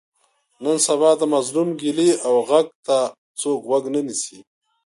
نن سبا د مظلوم ګیلې او غږ ته څوک غوږ نه نیسي.